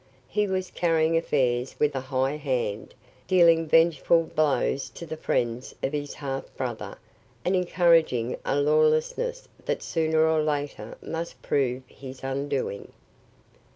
He was carrying affairs with a high hand, dealing vengeful blows to the friends of his half brother and encouraging a lawlessness that sooner or later must prove his undoing.